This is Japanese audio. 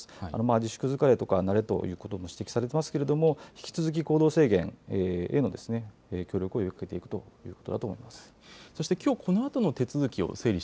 自粛疲れとか、慣れということも指摘されていますけれども、引き続き行動制限への協力を呼びかけていくということだと思いまそして、きょうこのあとの手